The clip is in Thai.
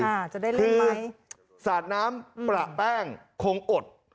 อ่าจะได้เล่นไหมคือสาดน้ำปลาแป้งคงอด